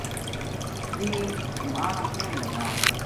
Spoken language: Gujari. ویہ ماں نا کہن لگا